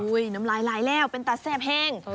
อุ๊ยน้ำลายแล้วเป็นตัดแซ่บแห้ง